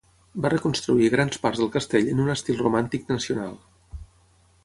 Va reconstruir grans parts del castell en un estil romàntic nacional.